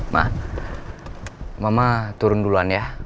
mah mama turun duluan ya